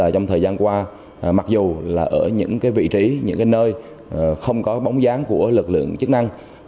trong thời gian qua mặc dù là ở những vị trí những nơi không có bóng dáng của lực lượng chức năng